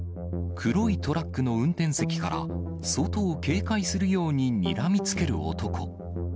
黒いトラックの運転席から外を警戒するようににらみつける男。